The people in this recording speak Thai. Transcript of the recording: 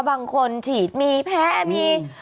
บางคนฉีดมีแพ้มี